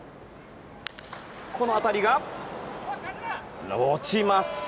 この当たりが、落ちます。